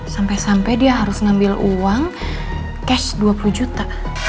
sampai sampai dia harus ngambil uang cash dua puluh juta